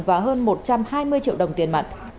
và hơn một trăm hai mươi triệu đồng tiền mặt